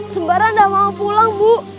sembara gak mau pulang bu